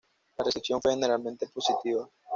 La recepción fue generalmente positiva.